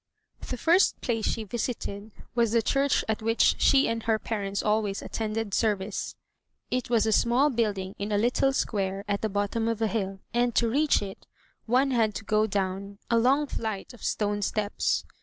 The first place she visited was the church at which she and her parents always attended service. It was a small building in a little square at the bottom of a hill, and, to reach it, one had to go down a long flight of stone steps.